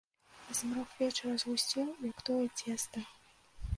Змрок вечара згусцеў, як тое цеста.